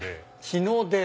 日の出。